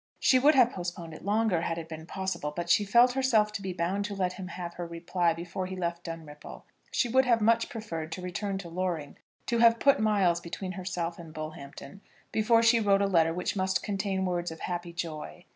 She would have postponed it longer had it been possible; but she felt herself to be bound to let him have her reply before he left Dunripple. She would have much preferred to return to Loring, to have put miles between herself and Bullhampton, before she wrote a letter which must contain words of happy joy.